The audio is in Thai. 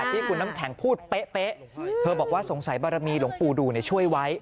ที่คุณน้ำแข็งพูดเป๊ะเธอบอกว่าสงสัยบารมีหลวงปู่ดูช่วยไว้